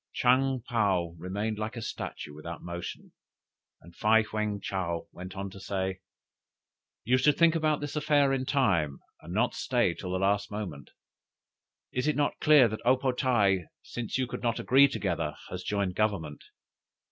'" "Chang paou remained like a statue without motion, and Fei heung Chow went on to say: 'You should think about this affair in time, and not stay till the last moment. Is it not clear that O po tae, since you could not agree together, has joined Government.